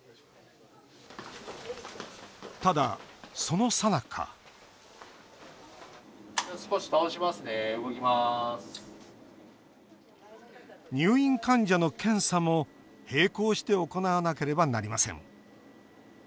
ただそのさなか入院患者の検査も並行して行わなければなりません